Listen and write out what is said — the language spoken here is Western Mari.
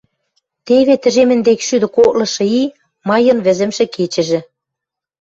Теве тӹжем ӹндекшшӱдӹ коклышы и, майын вӹзӹмшӹ кечӹжӹ.